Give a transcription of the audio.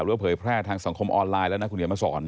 หรือว่าเผยแพร่ทางสังคมออนไลน์แล้วนะคุณเหนียวมาสอน